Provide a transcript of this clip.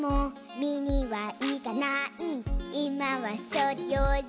「みにはいかない」「いまはそれより」